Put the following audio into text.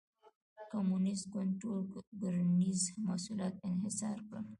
کمونېست ګوند ټول کرنیز محصولات انحصار کړل.